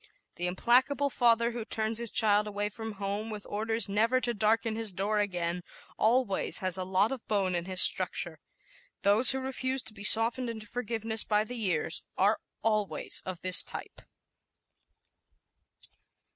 The implacable father who turns his child away from home, with orders "never to darken his door again," always has a lot of bone in his structure. Those who refuse to be softened into forgiveness by the years are always of this type.